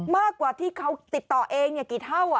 มากกว่าที่เขาติดต่อเองกี่เท่า